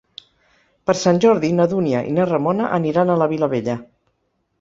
Per Sant Jordi na Dúnia i na Ramona aniran a la Vilavella.